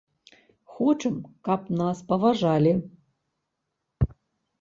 Хочам, каб нас паважалі.